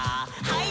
はい。